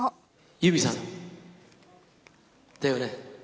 ゆみさん、だよね？